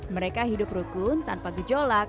mereka hidup rukun tanpa gejolak